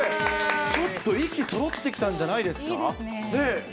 ちょっと、息そろってきたんじゃないですか。